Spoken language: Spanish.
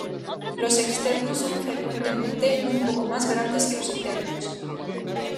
Los externos son frecuentemente un poco más grandes que los internos.